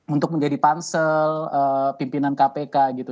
untuk menjadi pansel pimpinan kpk gitu